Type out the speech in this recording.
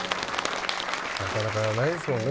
なかなかないですもんね